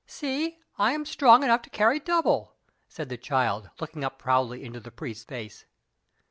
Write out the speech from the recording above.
"See, I am strong enough to carry double," said the child, looking up proudly into the priest's face.